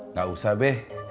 nggak usah be